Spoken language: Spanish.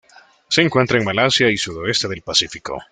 Se encuentra en Malasia y sudoeste del Pacífico.